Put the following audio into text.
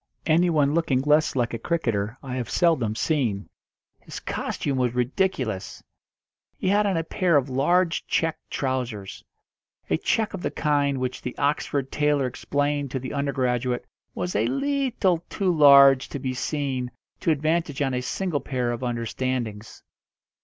Anyone looking less like a cricketer I have seldom seen. His costume was ridiculous. He had on a pair of large check trousers a check of the kind which the Oxford tailor explained to the undergraduate was a leetle too large to be seen to advantage on a single pair of understandings.